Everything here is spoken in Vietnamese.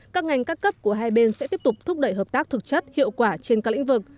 các ngành các cấp của hai bên sẽ tiếp tục thúc đẩy hợp tác thực chất hiệu quả trên các lĩnh vực